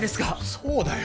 そうだよ。